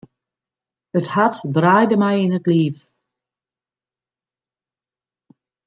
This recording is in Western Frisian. It hart draaide my om yn it liif.